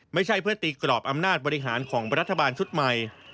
ไม่ใช่เพื่อตีกรอบอำนาจบริหารของรัฐบาลชุดใหม่